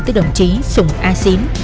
tới đồng chí sùng a xín